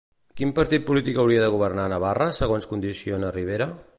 Quin partit polític hauria de governar a Navarra segons condiciona Rivera?